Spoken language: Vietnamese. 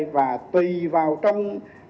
và tùy vào trong